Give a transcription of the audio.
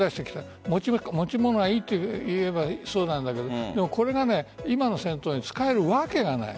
物持ちがいいといえばそうなんだけど今の戦闘に使えるわけがない。